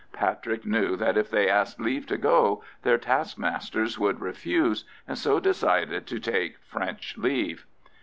Patrick knew that if they asked leave to go, their taskmasters would refuse, and so decided to take "French leave."